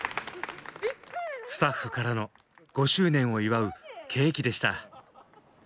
スタッフからの５周年を祝うケーキでした。